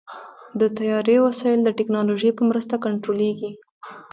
د طیارې وسایل د ټیکنالوژۍ په مرسته کنټرولېږي.